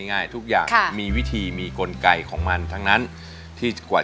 ง่ายทุกอย่างมีวิธีมีกลไกของมันทั้งนั้นที่กว่า